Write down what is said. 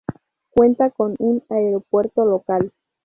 Cuenta con un aeropuerto local.